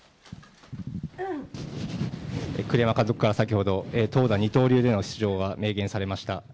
栗山監督から先ほど、投打二刀流での出場が明言されました。